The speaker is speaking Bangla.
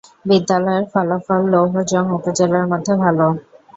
বিদ্যালয়ের ফলাফল লৌহজং উপজেলার মধ্যে ভালো।